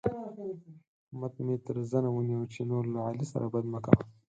احمد مې تر زنه ونيو چې نور له علي سره بد مه کوه.